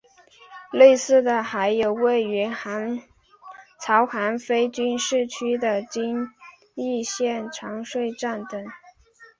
类似的还有位于朝韩非军事区内的京义线长湍站等。